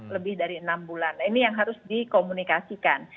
lebih dari enam bulan ini yang harus dikomunikasikan